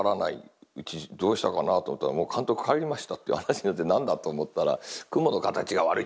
どうしたかなと思ったらもう監督帰りましたっていう話になって何だと思ったら「雲の形が悪い！」